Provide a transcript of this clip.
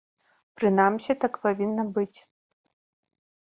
Прынамсі, так павінна быць.